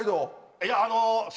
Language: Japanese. いやあの。